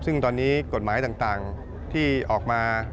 ซึ่งตอนนี้กฎหมายต่างที่ออกมา